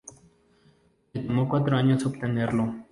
Le tomó cuatro años obtenerlo.